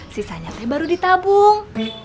sisanya teh baru ditabung